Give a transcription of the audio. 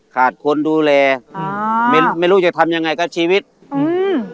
ขาดคนดูแลอืมไม่รู้จะทำยังไงกับชีวิตอืม